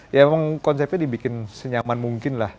ya emang konsepnya dibikin senyaman mungkin lah